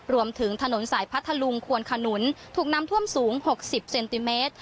รวมถึงถนนสายพัทธลุงควนขนุนถูกน้ำท่วมสูง๖๐เซนติเมตร